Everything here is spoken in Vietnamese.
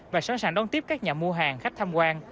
và sẵn sàng đón tiếp các nhà mua hàng khách tham quan